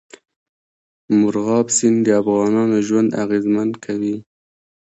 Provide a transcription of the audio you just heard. مورغاب سیند د افغانانو ژوند اغېزمن کوي.